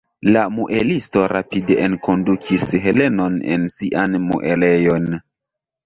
La muelisto rapide enkondukis Helenon en sian muelejon.